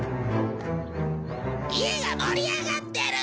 「家が盛り上がってる。